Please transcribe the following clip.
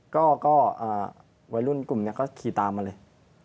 ก็วัยรุ่นกลุ่มนี้ก็ขี่ตามมาเลย